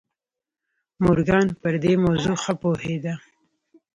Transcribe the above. مورګان پر دې موضوع ښه پوهېده.